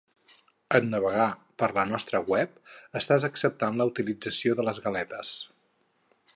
En navegar per la nostra web, estàs acceptant la utilització de les galetes.